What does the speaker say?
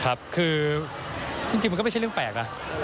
คือจริงมันก็ไม่ใช่เรื่องแปลกนะ